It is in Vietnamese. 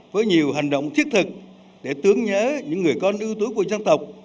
với nhiều hành động thiết thực để tướng nhớ những người con ưu tú của dân tộc